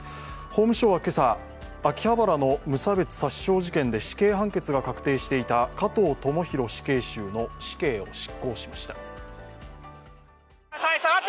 法務省は今朝、秋葉原の無差別殺傷事件で死刑判決が確定していた加藤智大死刑囚の死刑を執行しました。